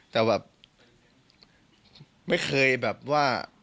แต่แบบไม่เคยแบบว่า